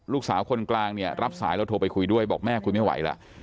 ลูกสาวคนกลางเนี่ยรับสายแล้วโทรไปคุยด้วยบอกแม่คุยไม่ไหวแล้ว